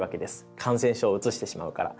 感染症をうつしてしまうから。